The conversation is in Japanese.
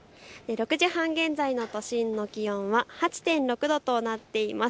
６時半現在の都心の気温は８．６度となっています。